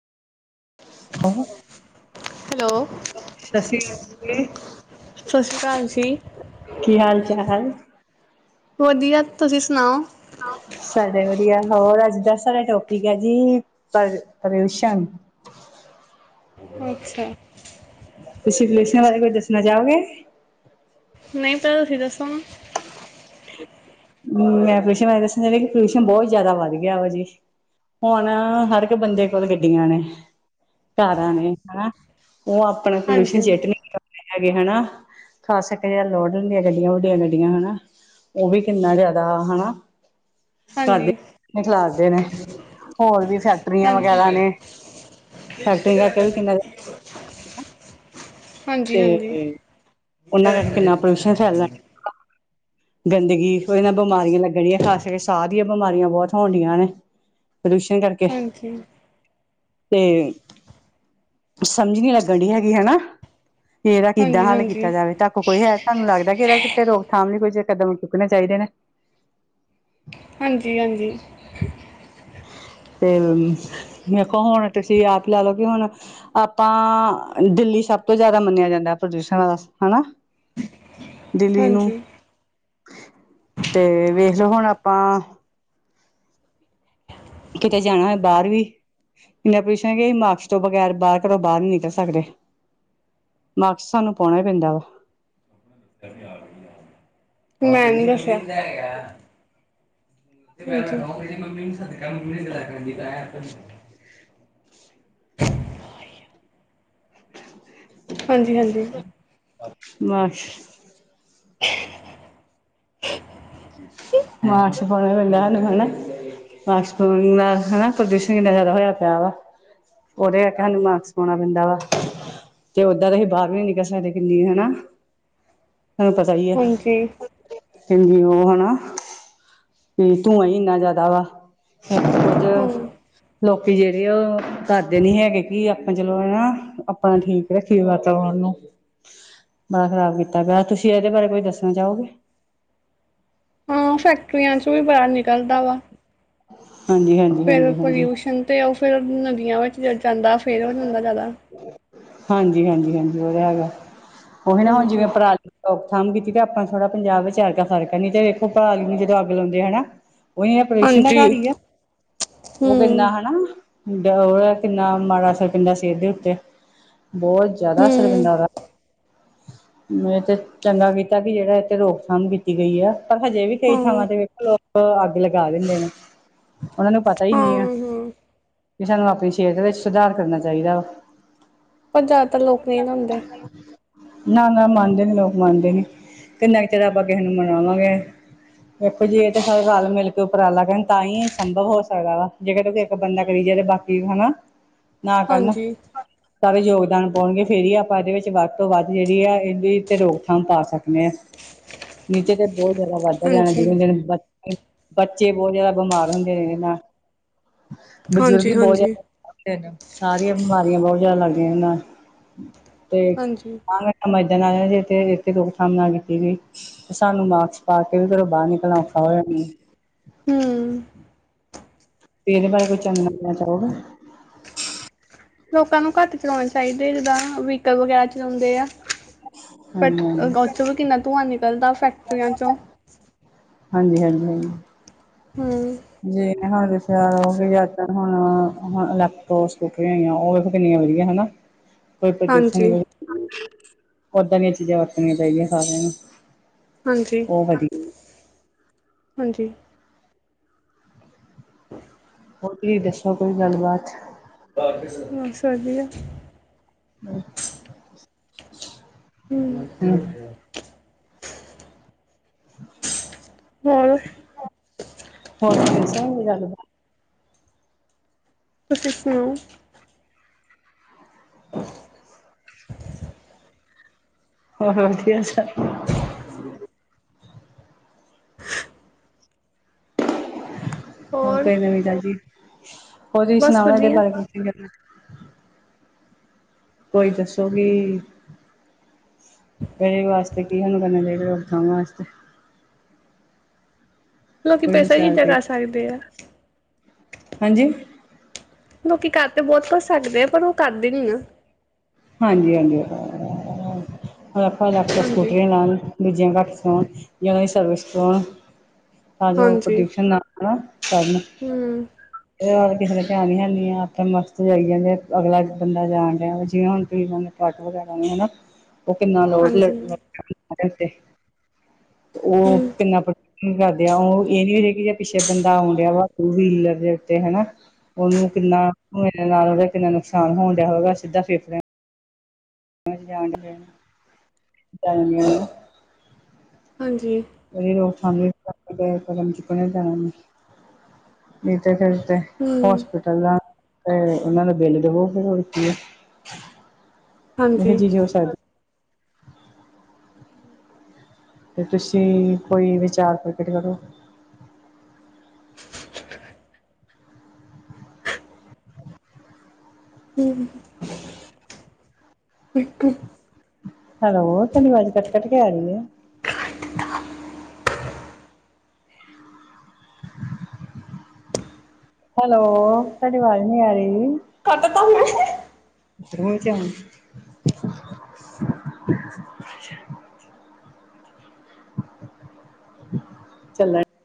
ਹਾਂ, ਹੈਲੋ ਸ਼੍ਰੀ ਸਤਿ ਅਕਾਲ ਜੀ। ਸ੍ਰੀ ਅਕਾਲ ਜੀ। ਕੀ ਹਾਲ ਚਾਲ, ਵੱਧੀਆ ਤੁਸੀਂ ਸੁਣਾਓ। ਸਾਡੇ ਵਧੀਆ ਹੋਰ ਅੱਜ ਦਸ ਵਾਲਾ ਟੋਪਿਕ ਆ ਜੀ। ਪਰ ਪ੍ਰਯਊਸ਼ਣ ਅੱਛਾ, ਤੁਸੀਂ ਪੑਯਊਸ਼ਣ ਬਾਰੇ ਕੁਝ ਦੱਸਣਾ ਚਾਹੋਗੇ, ਨਹੀਂ ਪਹੀਲਾ ਤੁਸੀਂ ਦੱਸੋ, ਹਮ ਮੈਂ ਪੋਲੀਊਸ਼ਨ ਬਾਰੇਦੱਸਣਾ ਸੀ ਕਈ ਪੋਲੀਊਸ਼ਨ ਬਹੁਤ ਜਿਆਦਾ ਵੱਧ ਗਿਆ ਵਾ ਜੀ। ਹੁਣ, ਹਰ ਇੱਕ ਬੰਦੇ ਕੋਲ ਗੱਡੀਆਂ ਨੇ। ਕਾਰਾਂ ਨੇ ਹੈ ਉਹ ਆਪਣਾ ਹਾਂਜੀ ਪੋਲਿਊਸ਼ਨ ਚੇਟ। ਹੈਗੇ ਹਨਾ ਖਾਸ ਕਰਕੇ ਜਿਦਾ ਲੋੜਨ ਦੀਆਂ ਗੱਡੀਆਂ ਵੱਡੀਆਂ ਗੱਡੀਆਂ ਹਨਾ ਉਹ ਵੀ। ਕਿੰਨਾ ਜਿਆਦਾ ਹਨਾ। ਹਾਂਜੀ ਹਾਂਜੀ ਕਰਦੇ ਨੇ ਖਲਾਦੇ ਨੇ ਹੋਰ ਵੀ ਫੈਕਟਰੀਆਂ ਵਗੈਰਾ ਨੇ, ਫੈਕਟਰੀਆਂ ਕਰਕੇ ਵੀ ਕਿੰਨਾ ਦੀ ਤੇ--ਤੇ ਉਹਨਾਂ ਕਰਕੇ ਕਿੰਨਾ ਪੋਲਿਊਸ਼ਨ ਫੈਲਿਆ, ਗੰਦਗੀ ਉਹਦੇ ਨਾਲ ਬਿਮਾਰੀਆਂ ਲੱਗ, ਜਿਹੜੀਆਂ ਖਾਂਸੀ ਕਰਕੇ ਸਾਹ ਦੀਆਂ ਬਿਮਾਰੀਆਂ ਬਹੁਤ ਹੋਣਦੀਆਂ ਨੇ ਪੋਲਿਊਸ਼ਨ ਕਰਕੇ, ਹਾਂਜੀ ਤੇ ਸਮਝ ਨਹੀ ਲੱਗਣ ਡਈ ਹੈਗੀ ਹਨਾ, ਕਿ ਇਹਦਾ ਕਿੱਦਾਂ ਹਾਂਜੀ ਹੱਲ ਹਾਂਜੀ ਕੀਤਾ ਜਾਵੇ ਤੱਕ ਕੋਈ ਹੈ ਤੁਹਾਨੂੰ ਲੱਗਦਾ ਕਿ, ਇਹਦਾ ਕਿਤੇ ਰੋਕਥਾਮ ਲਈ ਕੋਈ ਕਦਮ ਚੁੱਕਣੇ ਚਾਹੀਦੇ ਨੇ, ਹਾਂਜੀ, ਹਾਂਜੀ ਤੇ ਵੇਖੋ ਹੁਣ ਤੁਸੀਂ ਆਪ ਲੈ ਲਓ ਕਿ ਹੁਣ, ਆਪਾਂ ਦਿੱਲੀ ਸਭ ਤੋਂ ਜ਼ਿਆਦਾ ਮੰਨਿਆ ਜਾਂਦਾ ਪ੍ਰਦੂਸ਼ਣ ਵਾਸਤੇ ਹਨਾ, ਦਿੱਲੀ ਨੂੰ ਹਾਂਜੀ ਤੇ ਵੇਖ ਲਓ ਹੁਣ ਆਪਾਂ ਕਿਤੇ ਜਾਣਾ ਹੋਏ ਬਾਹਰ ਵੀ, ਇੰਨਾ ਪੋਲਿਊਸ਼ਨ ਹੈ ਕੀ ਅਸੀ ਮਾਕਸ ਤੋਂ ਬਗੈਰ ਬਾਹਰ ਘਰੋਂ ਬਾਹਰ ਨੀ ਨਿਕਲ ਸਕਦੇ, ਮਾਕਸ ਸਾਨੂੰ ਪਾਉਣਾ ਹੀ ਪੈਂਦਾ ਵਾ, ਅੱਛਾ, ਮੈਂ ਨਹੀ ਦੱਸਿਆ, ਮਮੀ ਸ ਮੰ ਦਾਖਦੀ ਹ ਹਾਂਜੀ ਹਾਂਜੀ। ਮਾਕਸ ਮਸ਼ਪਣੇ ਵਲੂੰ ਮਣਾ ਮਾਸਕ ਨਾਲ ਹਨਾ ਪ੍ਰਦੂਸ਼ਣ ਇੰਨਾ ਜ਼ਿਆਦਾ ਹੋਇਆ ਪਿਆ ਵਾ ਉਹਦੇ ਕਰਕੇ ਸਾਨੂੰ ਮਾਕਸ ਪਾਉਣਾ ਪੈਂਦਾ ਵਾ, ਤੇ ਓਦਾਂ ਦਾ ਅਸੀਂ ਬਾਹਰ ਵੀ ਨੀ ਨਿਕਲ ਸਕਦੇ ਕਿੰਨੀ ਹਨਾ ਤੁਹਾਨੂ ਪਤਾ, ਹੈਈ ਹੈ ਹਂਜੀ ਉਹ ਹਨਾ ਹੁ ਧੂੰਆਂ ਹੀ ਇੰਨਾ ਜ਼ਿਆਦਾ ਵਾ ਕੁਝ, ਲੋਕੀ ਜਿਹੜੇ ਆ, ਉਹ ਕਰਦੇ ਨੀ ਹੈਗੇ, ਕਿ ਆਪਾਂ ਚਲੋ ਹੈ ਨਾ ਆਪਣਾ ਠੀਕ ਰੱਖੀਏ ਵਾਤਾਵਰਨ ਨੂੰ, ਬੜਾ ਖ਼ਰਾਬ ਕੀਤਾ ਪਿਆ ਤੁਸੀਂ ਇਹਦੇ ਬਾਰੇ ਕੁਈ ਦੱਸਣਾ ਚਾਹੋਗੇ ਹਾਂ ਫੈਕਟਰੀਆਂ ਚੋ ਵੀ ਬਾਹਰ ਨਿਕਲਦਾ ਵਾ, ਹਾਂਜੀ, ਹਾਂਜੀ। ਫਿਰ ਹਾਂਜੀ ਹਾਂਜੀ ਪੋਲਿਊਸ਼ਨ ਤੇ ਉਹ ਫੇਿਰ ਨਦੀਆਂ ਵਿੱਚ ਚਲ ਜਾਂਦਾ, ਫਿਰ ਹੋ ਜਾਂਦਾ ਜ਼ਿਆਦਾ ਹਾਂਜੀ-ਹਾਂਜੀ-ਹਾਂਜੀ ਓ ਤਾਂ ਹੈਗਾ ਉਹੀ ਨਾ ਹੁਣ ਹਾਂਜੀ ਜਿਵੇਂ ਪਰਾਲ ਰੋਕਥਾਮ ਕੀਤੀ ਤੇ ਆਪਾਂ ਥੋੜਾ ਪੰਜਾਬ ਵਿਚ ਐਰਕਾ ਫਰਕ ਨ ਤੇ ਵਖੋ ਪਰਾਲੀ ਨੂੰ ਜਦੋਂ ਅੱਗ ਲਾਉਂਦੇ ਹਨਾ। ਉਹੀ ਪਦਿਊਸ਼ਸ਼ਨ ਦਾ ਹਾਂਜੀ ਘਰ ਹੀ ਆ ਓ ਹੂੰ ਕਿੰਨਾ ਹਨਾ ਓ ਕਿੰਨਾ ਮਾੜਾ ਅਸਰ ਪੈਂਦਾ ਸੀ ਇਹਦੇ ਉੱਤੇ ਬੋਤ ਜ਼ਿਆਦਾ ਅਸਰ ਹੂੰ ਪੈਂਦਾ ਉਹਦਾ ਮ ਤੇ ਚੰਗਾ ਕੀਤਾ ਕਿ ਜਿਹੜਾ ਇਥੇ ਰੋਕਥਾਮ ਕੀਤੀ ਗਈ ਆ ਪਰ ਹਜੇ ਵੀ ਕਈ ਹਾਂ ਥਾਵਾਂ ਤੇ [unintelligible] ਅੱਗ ਲਗਾ ਦਿੰਦੇ ਨੇ। ਉਹਨਾਂ ਨੂੰ ਪਤਾ ਹੀ ਹਾਂ ਨਹੀਂ ਆ ਹਾਂ ਵੀ ਸਾਨੂੰ ਆਪਣੀ ਸਿਹਤ ਵਿੱਚ ਸੁਧਾਰ ਕਰਨਾ ਚਾਹੀਦਾ ਵਾ। ਪਰ ਜ਼ਿਆਦਾਤਰ ਲੋਕ ਨਹੀਂ ਦਿੰਦੇ। ਨਾ-ਨਾ ਮੰਨਦੇ ਨੀ ਲੋਕ ਮੰਨਦੇ ਨੀ ਕਿੰਨਾ ਕੁ ਚਿਰ ਆਪਾਂ ਕਿਸੇ ਨੂੰ ਮਨਾਵਾਂਗੇ ਦੇਖੋ ਜੀ ਇਹ ਸ ਰਲ ਮਿਲ ਕੇ ਉਪਰਾਲਾ ਕਰਨ ਤਾਂ ਹੀ ਸੰਭਵ ਹੋ ਸਕਦਾ ਵਾ ਜੇਕਰ ਕਹੇ ਇੱਕ ਬੰਦਾ ਕਰੀ ਜੇ ਤੇ ਬਾਕੀ ਕੀ ਹਨਾ ਨਾ ਕਰਨ ਹਾਂਜੀ ਸਾਰੇ ਯੋਗਦਾਨ ਪਾਉਣਗੇ ਫੇਰ ਹੀ ਆਪਾਂ ਇਹਦੇ ਵਿੱਚ ਵੱਧ ਤੋਂ ਵੱਧ ਜਿਹੜੀ ਆ ਇਹਦੀ ਰੋਕਥਾਮ ਪਾ ਸਕਦੇ ਹਾਂ। ਨੀਚੇ ਤੇ ਬੋਤ ਜਾਦਾ ਵੱਧਦਾ ਜਾਣਾ ਹਾਂਜੀ ਜਿਵੇਂ ਦਿਨੋ ਦਿਨ ਬੱਚੇ ਬੋਤ ਜਾਦਾ ਬਿਮਾਰ ਹੁੰਦੇ ਨੇ ਇਹਦੇ ਨਾਲ ਬਜ਼ੁਰਗ ਹਾਂਜੀ ਬੋਤ ਜਾਦਾ ਹਾਂਜੀ ਸਾਰੀਆਂ ਬਿਮਾਰੀਆਂ ਬੋਤ ਜਾਦਾ ਲੱਗਦੀਆਂ ਇਹ ਦੇ ਨਾਲ ਤੇ ਹਾਂਜੀ ਆ ਆ ਮਰਦਾਂ ਨਾਲ ਇਥੇ ਰੁਕਥਾਮ ਨਾ ਕੀਤੀ ਸੀ। ਤੇ ਸਾਨੂੰ ਮਾਕਸ ਪਾ ਕੇ ਵੀ ਘਰੋਂ ਬਾਰ ਨਿਕਲਣਾ ਔਖਾ ਹੋਇਆ ਨੀ ਹੂੰ ਇਹਦੇ ਬਾਰੇ ਕੋਈ ਚੰਗਾ [unintelligible] ਨੱੱਸਣਾ ਚਾਹੋਗਾ। ਲੋਕਾਂ ਨੂੰ ਘੱਟ ਚਲਾਉਣੇ ਚਾਹੀਦੇ ਜਿੱਦਾਂ ਵਹੀਕਲ ਵਗੈਰਾ ਚਲਾਉਂਦੇ ਆ। ਬ ਹਾਂਜੀ ਉੱਥੋਂ ਵੀ ਕਿੰਨਾ ਧੂੰਆਂ ਨਿਕਲਦਾ ਫੈਕਟਰੀਆਂ 'ਚੋਂ ਹਾਂਜੀ-ਹਾਂਜੀ-ਹਾਂਜੀ ਹਾਂ ਜਿ ਹੁਣ ਦੱਸਿਆ ਯ ਅਜ ਹੁਣ ਇਲੈਕਟੋਕ ਸਕੂਟਰੀ ਹੈਗੀਆਂ ਓ ਵੇਖੋ ਕਿੰਨੀਆਂ ਵਧੀਆ ਹਨਾ ਹੁ ਕੋਈ ਹਾਂਜੀ ਪ੍ਰਦੂਸ਼ਣ [unintelligible] ਓਦਾਂ ਦੀਆਂ ਚੀਜ਼ਾਂ ਵਰਤਣੀਆਂ ਪਾਦੀਆਂ ਸਾਰਿਆਂ ਨੂੰ ਉਹ ਵਧੀਆ ਹਾਂਜੀ-ਹਾਂਜੀ [inaudible] ਹੋਰ ਤੁਸੀਂ ਦੱਸੋ ਕੋਈ ਗੱਲਬਾਤ ਬਸ ਵਧੀਆ ਹੂੰ ਹੂੰ ਹਾਂਜੀ ਹੋ ਗਿਆ। [inaudible] ਹੋਰ [inaudible] ਤੁਸੀ ਸੁਨਾਓ। [inaudible] ਹੋਰ ਵਦੀਆ ਸਭ ਹੋਰ ਕੋਈ ਨਵੀ ਤਾਜੀ ਹੋਰ ਤੁਸੀ ਬਸ ਸੁਨਾਓ ਨਾ ਏਦੇ ਵਧੀਆ ਬਾਰੇ ਕੁਛ ਕੋਈ ਦੱਸੋ ਵੀ ਤੇਰੇ ਵਾਸਤੇ ਕੀਵੇਂ ਲਗਨਾ ਚਾਹੀਦਾ ਰੋਕਥਾਮ ਵਾਸਤੇ ਲੋਕੀ ਕੋਈ ਪੈਸਾ ਵਿਚਾਰ ਇੱਦਾਂ ਕੋਈ ਕਾਰ ਸਕਦੇ ਆ। ਹਾਂਜੀ ਲੋਕੀ ਕਰ ਤੇ ਬੋਤ ਕੁਛ ਸਕਦੇ ਆ ਪਰ ਓ ਕਰਦੇ ਨੀ ਆ। ਹਾਂਜੀ-ਹਾਂਜੀ ਆਪਾਂ ਲਕ ਹਾਂਜੀ, ਸਕੂਟਰੀਆਂ ਲਾਣ [inaudible] ਤਾਂ ਜੋ ਹਾਂਜੀ। ਪ੍ਰਦੁਊਸ਼ਨ ਲਾਨਾ ਨਾ ਕਰਨ ਹੂੰ। ਏ ਯਾ ਤੇ ਕਿਸੇ ਨੇ ਧੇਆਨ ਨੀ ਹੈਨੀ ਆ, ਆਪੇ ਮਸਤ ਜਾਈ ਜਾਂਦੇ ਅਗਲਾ ਬੰਦਾ ਜਾਨ ਦੇਆ, ਜਿਵੇਂ ਹੁਨ ਜੀ ਹੂਣ ਟ੍ਰਕ ਵਗੈਰਾ ਆਂਦੇ ਨਾ ਹਾਂਜੀ। [unintelligible] [inaudible] ਹੂੰ। ਪਿੱਛੇ ਬੰਦਾ ਆਉਨ ਡੇਆ ਵਾ ਟੂ ਵੀਲਰ ਦੇ ਉੱਤੇ, ਹਨਾ। ਓਨੂੰ ਕਿੰਨਾ ਮੇਰੇ ਨਾਲ ਓਦਾ ਕਿੰਨਾ ਨੁਕਸਾਨ ਹੋਨ ਡੇਆ ਹੋਵੇਗਾ, ਸਿੱਧਾ ਫੇਫਰੇਆਂ [inaudible] ਹਾਂਜੀ। ਵੀ ਰੋਜ [unintelligible] ਕਦਮ ਚੁੱਕਨਾ ਈ ਪੈਣਾ ਵੇ, ਨਹੀਂ ਤੇ ਫੇਰ ਤੇ ਹੂੰ। ਹੋਸਪਿਟਲ ਦਾ, ਤੇ ਓਨਾਂ ਦਾ ਬਿੱਲ ਦਵੋ, ਫੇਰ ਹੋਰ ਕੀ ਏ। ਹਾਂਜੀ। ਜੀ, ਜੀ ਓ ਸਾੱਦ ਤੇ ਤੂਸੀ ਕੋਈ ਵਿਚਾਰ ਪ੍ਰਕਟ ਕਰੋ? ਹੂਂ। ਇੱਕ ਹੈਲੋ, ਤੋਡੀ ਵਾਜ ਕੱਟ-ਕੱਟ ਕੇ ਆਰੀ ਏ। ਹੈਲੋ, ਤਾਡੀ ਵਾਜ ਨੀ ਆਰੀ। ਕਾੱਟ ਤਾ ਮੈਂ [unintelligible] [inaudible] ਚਲ